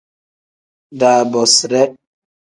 Daadoside.